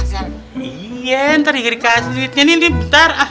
iya ntar dikasih duitnya nih bentar